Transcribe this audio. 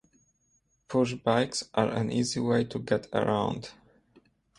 Push bikes are an easy way to get around.